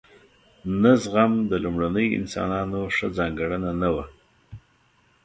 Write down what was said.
نه زغم د لومړنیو انسانانو ښه ځانګړنه نه وه.